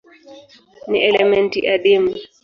Ni elementi adimu.